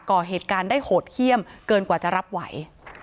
่อเหตุการณ์ได้โหดเยี่ยมเกินกว่าจะรับไหว